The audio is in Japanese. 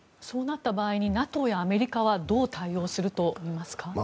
そうなった場合にＮＡＴＯやアメリカはどう対応すると思いますか？